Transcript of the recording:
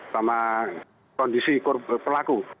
sama kondisi pelaku